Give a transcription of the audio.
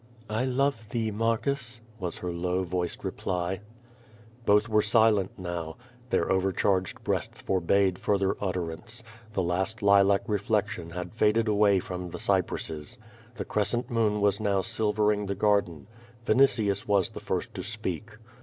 "I love thee, Marcus," was her low voiced reply. lioth were silent now. Their overcharged breasts forbade further utterance. The last lilac reflection had faded away from the cypresses. The crescent moon was now silvering the garden. Vinitius was the first to speak.